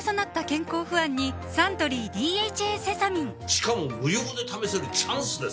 しかも無料で試せるチャンスですよ